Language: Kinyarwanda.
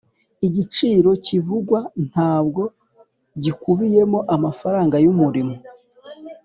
igiciro kivugwa ntabwo gikubiyemo amafaranga yumurimo.